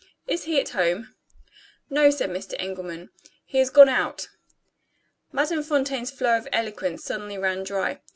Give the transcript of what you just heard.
Is he at home?" "No," said Mr. Engelman; "he has gone out." Madame Fontaine's flow of eloquence suddenly ran dry.